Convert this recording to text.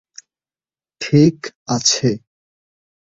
ঠিক আছে।